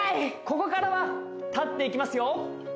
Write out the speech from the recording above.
ここからは立っていきますよ